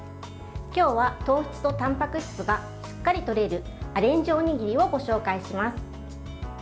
今日は糖質とたんぱく質がしっかり取れるアレンジおにぎりをご紹介します。